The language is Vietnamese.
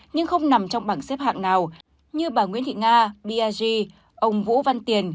nhưng không nằm trong bảng xếp hạng nào như bà nguyễn thị nga brg ông vũ văn tiền